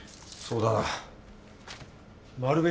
そうだな。